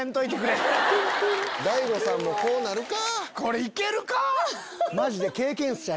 大悟さんもこうなるか。